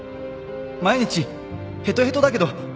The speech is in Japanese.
毎日へとへとだけど